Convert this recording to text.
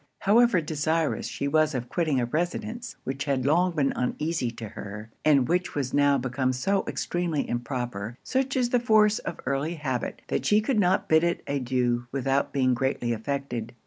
However desirous she was of quitting a residence which had long been uneasy to her, and which was now become so extremely improper, such is the force of early habit, that she could not bid it adieu without being greatly affected.